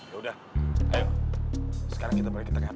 yaudah ayo sekarang kita balik ke tkp